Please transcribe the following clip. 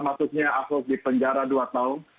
maksudnya ahok dipenjara dua tahun